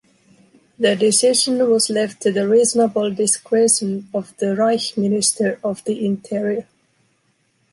The decision was left to the reasonable discretion of the Reich minister of the interior.